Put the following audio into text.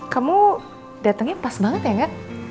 kamu datengnya pas banget ya nga